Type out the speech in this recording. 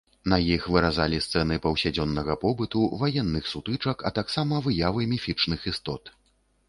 На іх выразалі сцэны паўсядзённага побыту, ваенных сутычак, а таксама выявы міфічных істот.